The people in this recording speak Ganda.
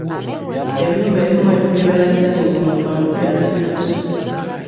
ebyuma ebimu ebikebera ssenyiga omukambwe byali bifu.